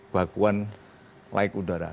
bakuan like udara